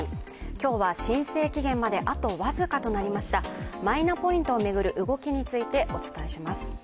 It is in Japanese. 今日は申請期限まであと僅かとなりましたマイナポイントを巡る動きについてお伝えします。